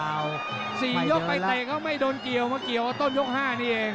ไม่เดี๋ยวหน้าสินะ๔ยกลายเตะเขาก็ไม่เดินเกี่ยวเมื่อกี้ว่าต้นยก๕นี่เอง